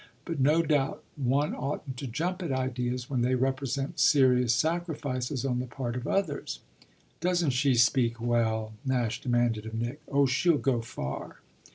But no doubt one oughtn't to jump at ideas when they represent serious sacrifices on the part of others." "Doesn't she speak well?" Nash demanded of Nick. "Oh she'll go far!"